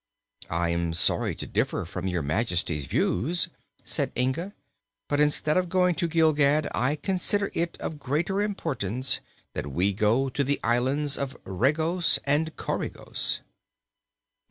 "I am sorry to differ from Your Majesty's views," said Inga, "but instead of going to Gilgad I consider it of greater importance that we go to the islands of Regos and Coregos."